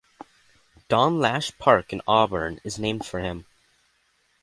Don Lash Park in Auburn is named for him.